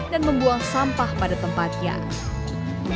dan membuang sampah pada tempat ini